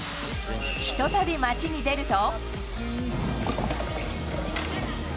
ひとたび街に出ると。